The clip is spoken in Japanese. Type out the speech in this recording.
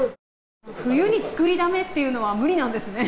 冬に作りだめというのは無理なんですね。